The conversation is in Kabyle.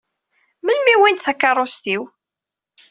Melmi i wwint takeṛṛust-iw?